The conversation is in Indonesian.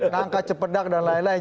nangka cepedak dan lain lain